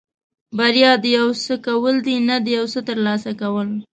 بریا د یو څه کول دي نه د یو څه ترلاسه کول.